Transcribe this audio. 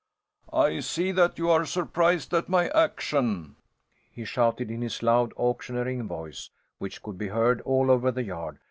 "I see that you are surprised at my action," he shouted in his loud auctioneering voice, which could be heard all over the yard.